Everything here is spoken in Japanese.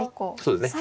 そうですね。